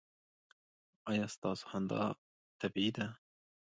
ایا ستاسو خندا طبیعي ده؟